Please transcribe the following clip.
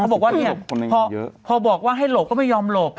บอกว่าเนี่ยพอบอกว่าให้หลบก็ไม่ยอมหลบ